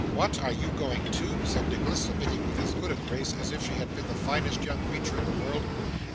'What! Are you going too?' said Nicholas, submitting with as good a grace as if she had been the finest young creature in the world.